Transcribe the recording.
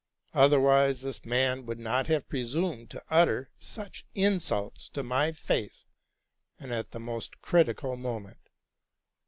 otherwise this man would not have presumed to utter such insults to my face, and at the most critical moment.